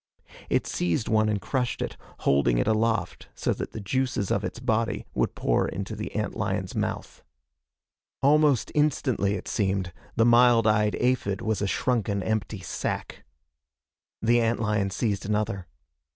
It seized one and crushed it, holding it aloft so that the juices of its body would pour into the ant lion's mouth. Almost instantly, it seemed, the mild eyed aphid was a shrunken empty sack. The ant lion seized another.